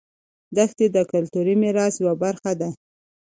دښتې د کلتوري میراث یوه برخه ده.